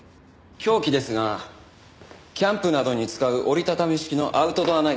凶器ですがキャンプなどに使う折り畳み式のアウトドアナイフです。